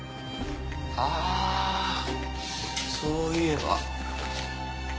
ああそういえば。